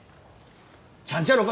ちゃんちゃら